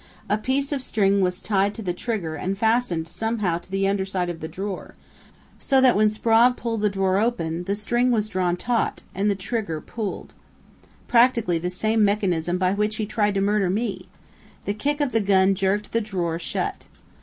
A piece of string was tied to the trigger and fastened somehow to the underside of the drawer, so that when Sprague pulled the drawer open the string was drawn taut and the trigger pulled. Practically the same mechanism by which he tried to murder me.... The kick of the gun jerked the drawer shut.